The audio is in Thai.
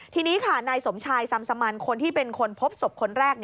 ทีนี้ค่ะนายสมชายซำสมันคนที่เป็นคนพบศพคนแรก